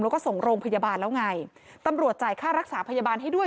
แล้วก็ส่งโรงพยาบาลแล้วไงตำรวจจ่ายค่ารักษาพยาบาลให้ด้วย